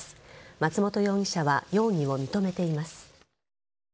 松本容疑者は容疑を認めています。